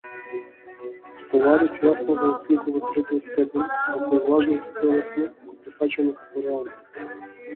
Соларис јасно го отсликува третиот степен, во кој лажното целосно го прифаќаме како реално.